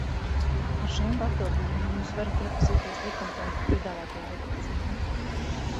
Ar šiem papildinājumiem jūs varat iepazīties likumprojekta piedāvātajā redakcijā.